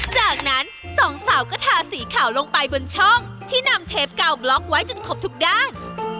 จากนั้นสองสาวก็ทาสีขาวลงไปบนช่องที่นำเทปเก่าบล็อกไว้จนครบทุกด้าน